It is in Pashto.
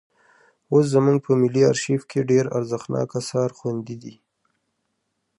اوس زموږ په ملي ارشیف کې ډېر ارزښتناک اثار خوندي دي.